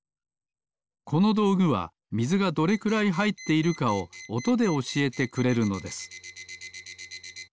このどうぐはみずがどれくらいはいっているかをおとでおしえてくれるのです。